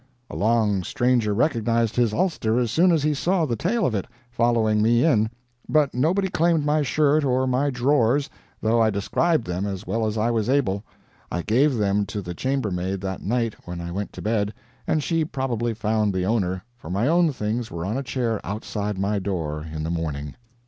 A long stranger recognized his ulster as soon as he saw the tail of it following me in, but nobody claimed my shirt or my drawers, though I described them as well as I was able. I gave them to the chambermaid that night when I went to bed, and she probably found the owner, for my own things were on a chair outside my door in the morning.